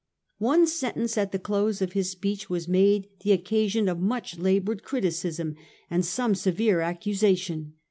One sentence at the close of his speech was made the occasion of much laboured criticism and some severe accusation.